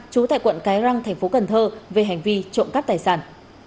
trú tại quận cái răng thành phố cần thơ về hành vi trộm cắp tài sản